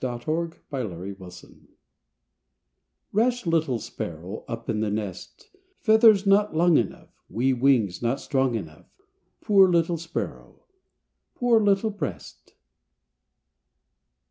THE RASH LITTLE SPARROW Rash little sparrow Up in the nest; Feathers not long enough, Wee wings not strong enough! Poor little sparrow! Poor little breast!